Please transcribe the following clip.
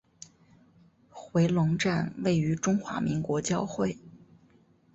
回龙站位于中华民国交会。